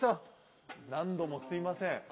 何度もすいません。